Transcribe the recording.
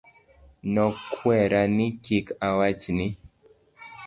Nokwera ni kik awach ni.